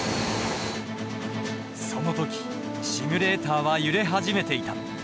その時シミュレーターは揺れ始めていた。